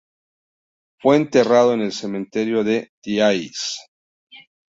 Fue enterrado en el Cementerio de Thiais.